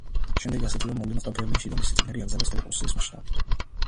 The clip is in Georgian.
შემდეგ ასეთივე მოვლენა მოხდა ბერლინში და მისი წიგნები აკრძალეს მთელი პრუსიის მასშტაბით.